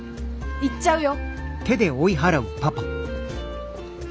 行っちゃうよ！